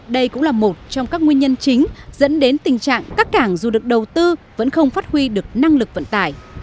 đây cũng là một trong các nguyên nhân chính dẫn đến tình trạng các cảng dù được đầu tư vẫn không phát huy được năng lực vận tải